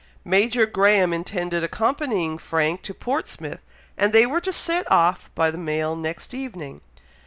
Major Graham intended accompanying Frank to Portsmouth, and they were to set off by the mail next evening.